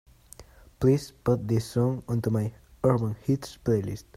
Please put this song onto my Urban Hits playlist.